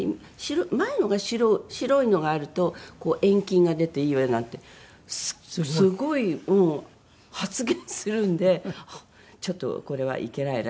「前の方が白いのがあると遠近が出ていいわよ」なんてすごい発言するんでちょっとこれはいけないな。